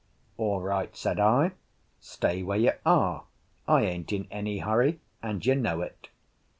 "All right," said I, "stay where you are. I ain't in any hurry, and you know it.